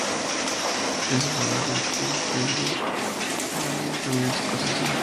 Es el hogar del club Hibernian de la Liga Premier Escocesa.